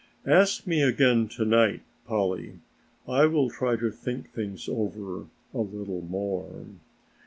"Ask me again to night, Polly, I will try to think things over a little more."